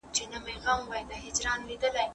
شور د تمرکز مخه نیسي.